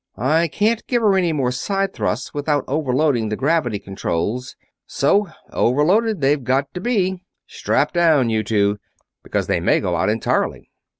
I can't give her any more side thrust without overloading the gravity controls, so overloaded they've got to be. Strap down, you two, because they may go out entirely!"